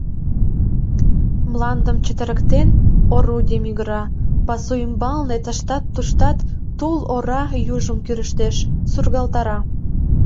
Мландым чытырыктен, орудий мӱгыра, пасу ӱмбалне тыштат-туштат тул ора южым кӱрыштеш, сургалтара.